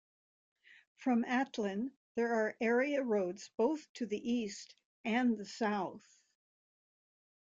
From Atlin, there are area roads both to the east and the south.